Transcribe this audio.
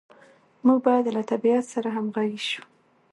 موږ باید له طبیعت سره همغږي شو.